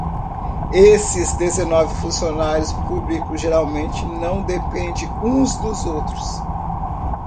Esses dezenove funcionários públicos geralmente não dependem uns dos outros.